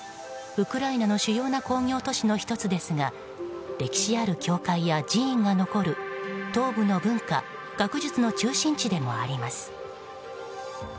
ウクライナの主要な工業都市の１つですが歴史ある教会や寺院が残る東部の文化・学術の中心地でもあります。